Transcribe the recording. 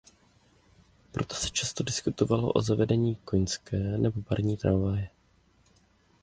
Proto se často diskutovalo o zavedení koňské nebo parní tramvaje.